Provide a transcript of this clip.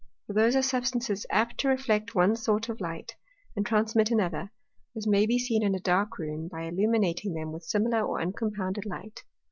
For those are Substances apt to reflect one sort of Light, and transmit another; as may be seen in a dark Room, by illuminating them with similar or uncompounded Light.